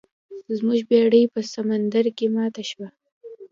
زموږ بیړۍ په سمندر کې ماته شوه.